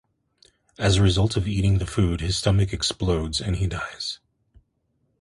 As a result of eating the food, his stomach explodes, and he dies.